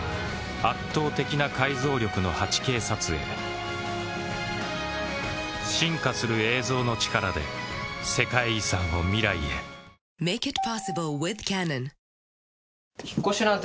圧倒的な解像力の８Ｋ撮影進化する映像の力で世界遺産を未来へ引っ越しなんて